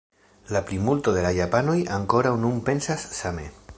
La plimulto de la japanoj ankoraŭ nun pensas same.